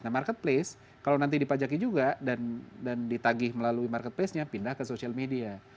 nah marketplace kalau nanti dipajaki juga dan ditagih melalui marketplace nya pindah ke social media